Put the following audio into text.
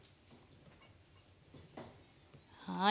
はい。